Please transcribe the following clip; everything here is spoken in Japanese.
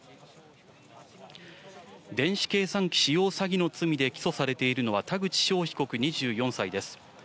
電子計算機使用詐欺の罪で起訴されているのは、田口翔被告２４歳です。